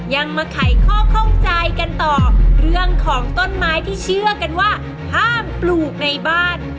ยังมาไขข้อข้องใจกันต่อเรื่องของต้นไม้ที่เชื่อกันว่าห้ามปลูกในบ้าน